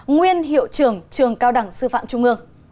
nguyên hiệu trưởng trường cao đẳng sư phạm trung ương